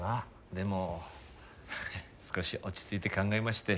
でも少し落ち着いて考えまして。